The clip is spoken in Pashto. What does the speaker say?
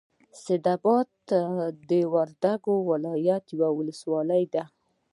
سیدآباد د وردک ولایت یوه ولسوالۍ ده.